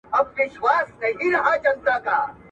ملي يووالی د سياسي ثبات لپاره خورا زيات اړين دی.